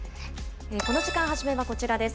この時間、初めはこちらです。